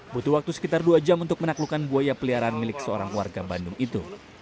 butuh waktu sekitar dua jam untuk menaklukkan buaya peliharaan milik seorang warga bandung itu